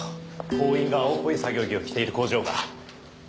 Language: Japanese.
工員が青っぽい作業着を着ている工場が。